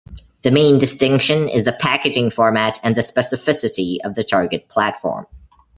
The main distinction is the packaging format and the specificity of the target platform.